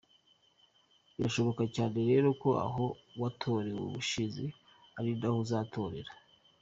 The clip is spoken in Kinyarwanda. Birashoboka cyane rero ko aho watoreye ubushize ari naho uzatorera.